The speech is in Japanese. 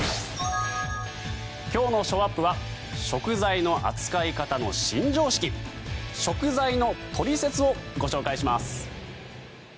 今日のショーアップは食材の扱い方の新常識食材のトリセツをご紹介します。